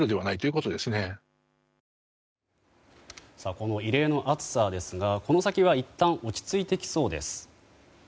この異例の暑さですがこの先はいったん落ち着いてきそうです。